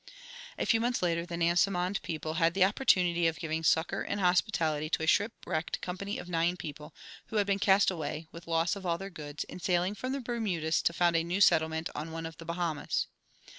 A few months later the Nansemond people had the opportunity of giving succor and hospitality to a shipwrecked company of nine people, who had been cast away, with loss of all their goods, in sailing from the Bermudas to found a new settlement on one of the Bahamas.